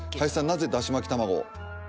なぜだし巻き卵を？